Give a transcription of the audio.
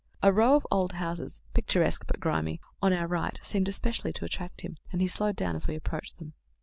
A row of old houses, picturesque but grimy, on our right seemed specially to attract him, and he slowed down as we approached them.